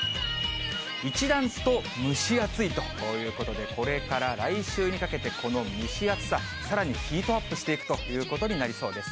一段と蒸し暑いということで、これから来週にかけて、この蒸し暑さ、さらにヒートアップしていくということになりそうです。